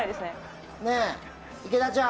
ねえ、池田ちゃん。